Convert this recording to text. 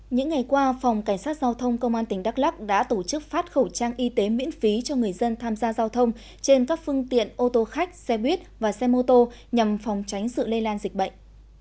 những ngày qua phòng cảnh sát giao thông công an tỉnh đắk lắc đã tổ chức phát khẩu trang y tế miễn phí cho người dân tham gia giao thông trên các phương tiện ô tô khách xe buýt và xe mô tô nhằm phòng tránh sự lây lan dịch bệnh